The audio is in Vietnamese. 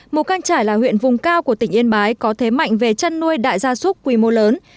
mù căng trải là huyện vùng cao của tỉnh yên bái có thế mạnh về chăn nuôi đại gia súc quy mô lớn